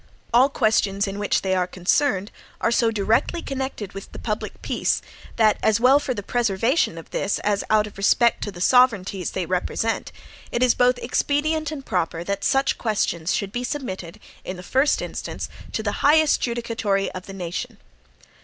All questions in which they are concerned are so directly connected with the public peace, that, as well for the preservation of this, as out of respect to the sovereignties they represent, it is both expedient and proper that such questions should be submitted in the first instance to the highest judicatory of the nation.